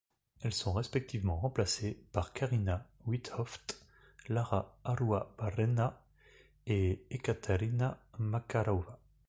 Elles sont respectivement remplacées par Carina Witthöft, Lara Arruabarrena et Ekaterina Makarova.